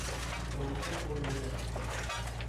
Tom का phone बजा।